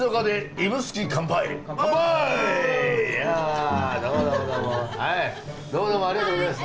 いやどうもどうもありがとうございます。